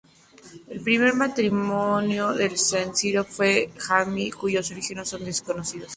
El primer matrimonio de Casimiro fue con Jadwiga, cuyos orígenes son desconocidos.